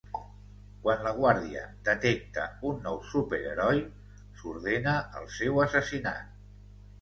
Quan la Guàrdia detecta un nou súper heroi, s"ordena el seu assassinat.